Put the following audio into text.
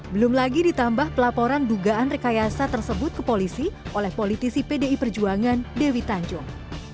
belum lagi ditambah pelaporan dugaan rekayasa tersebut ke polisi oleh politisi pdi perjuangan dewi tanjung